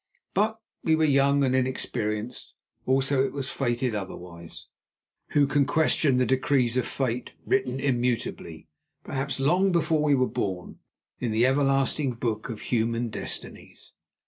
But we were young and inexperienced; also it was fated otherwise. Who can question the decrees of Fate written immutably, perhaps long before we were born, in the everlasting book of human destinies?